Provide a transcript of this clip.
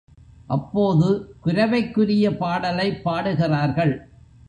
அப்போது குரவைக்குரிய பாடலைப் பாடுகிறார்கள்.